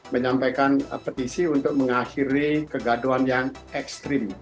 menyampaikan petisi untuk mengakhiri kegaduhan yang ekstrim